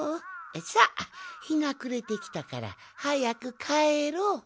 さひがくれてきたからはやくかえろう。